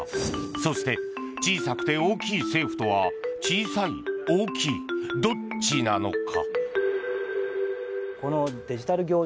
そして小さくて大きい政府とは小さい、大きい、どっちなのか。